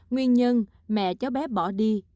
nguyên nhân mẹ cháu bé bỏ đi